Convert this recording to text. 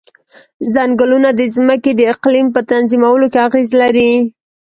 ځنګلونه د ځمکې د اقلیم په تنظیمولو کې اغیز لري.